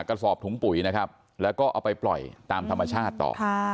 กระสอบถุงปุ๋ยนะครับแล้วก็เอาไปปล่อยตามธรรมชาติต่อ